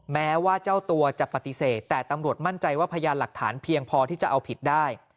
แม้ว่าเจ้าตัวจะปฏิเสธแต่ตำรวจมั่นใจว่าพยานหลักฐานเพียงพอที่จะเอาผิดได้